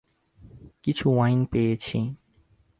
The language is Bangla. কিছু ওয়াইন পেয়েছি।